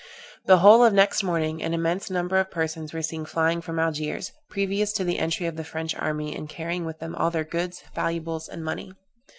The whole of next morning an immense number of persons were seen flying from Algiers, previous to the entry of the French army, and carrying with them all their goods, valuables, and money.